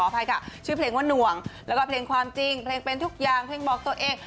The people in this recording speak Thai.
เพลงความจริงเพลงเป็นทุกอย่างเพลงบอกตัวเอง